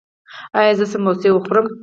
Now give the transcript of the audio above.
ایا زه سموسې وخورم؟